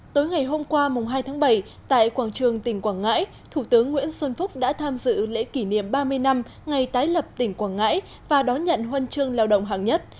tối ngày hôm qua hai tháng bảy tại quảng trường tỉnh quảng ngãi thủ tướng nguyễn xuân phúc đã tham dự lễ kỷ niệm ba mươi năm ngày tái lập tỉnh quảng ngãi và đón nhận huân chương lao động hàng nhất